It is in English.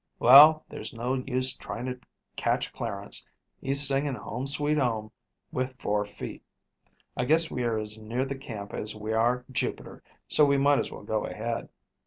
Well, there's no use trying to catch Clarence. He's singing 'Home, Sweet Home,' with four feet. I guess we are as near the camp as we are Jupiter, so we might as well go ahead."